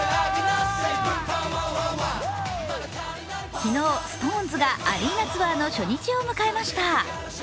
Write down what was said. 昨日、ＳｉｘＴＯＮＥＳがアリーナツアーの初日を迎えました。